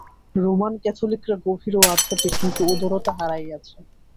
Roman ক্যাথলিকরা গভীর ও আধ্যাত্মিক, কিন্তু উদারতা হারাইয়াছে।